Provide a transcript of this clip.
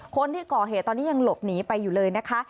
คนที่ก่อเหตุตอนนี้ยังหลบหนีไปอยู่เลยนะคะ